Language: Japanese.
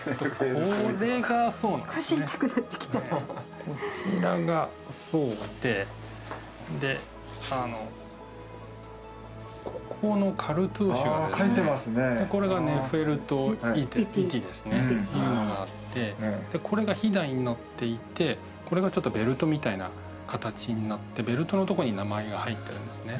腰痛くなってきたこちらがそうででここのカルトゥーシュがですねこれがネフェルトイティですねいうのがあってでこれがヒダになっていてこれがちょっとベルトみたいな形になってベルトのとこに名前が入ってるんですね